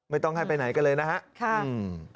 ไม่ต้องให้ไปไหนกันเลยนะครับ